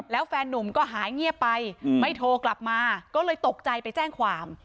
แล้วแฟนนุ่มก็หายเงียบไปไม่โทรกลับมาก็เลยตกใจไปแจ้งความ